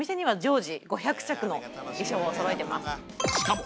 しかも